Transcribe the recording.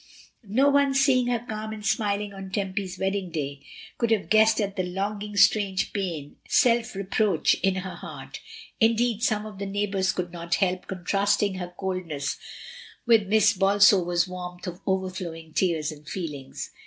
No one seeing her calm and smiling on Tempy's wedding day would have guessed at the longing strange pain and self 154 MRS. DYMOND. reproach in her heart Indeed, some of the neigh bours could not help contrasting her coldness with Miss Bolsover's warmth of overflowing tears and feelings.